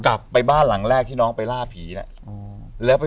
กลับไปบ้านหลังแรกที่น้องไปล่าผีนะฮะ